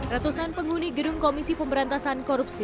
ratusan penghuni gedung komisi pemberantasan korupsi